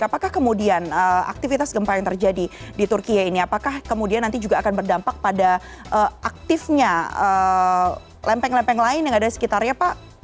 apakah kemudian aktivitas gempa yang terjadi di turkiye ini apakah kemudian nanti juga akan berdampak pada aktifnya lempeng lempeng lain yang ada di sekitarnya pak